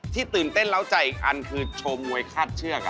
ที่ตื่นเต้นเล่าใจอีกอันคือชมมวยคาดเชือกอ่ะ